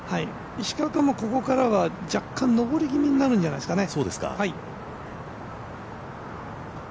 石川君もここからは、若干上り気味になるんじゃないですかね。